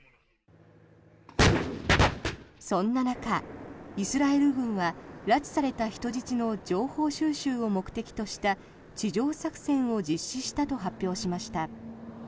そんな中、イスラエル軍は拉致された人質の情報収集を目的とした地上作戦を実施したと発表しました。